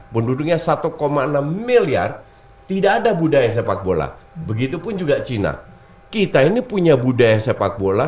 penduduknya satu enam miliar tidak ada budaya sepak bola begitu pun juga cina kita ini punya budaya sepak bola